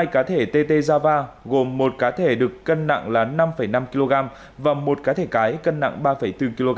hai cá thể tt java gồm một cá thể được cân nặng là năm năm kg và một cá thể cái cân nặng ba bốn kg